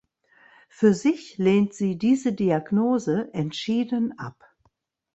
Für sich lehnt sie diese „Diagnose“ entschieden ab.